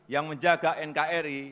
yang menjaga nkri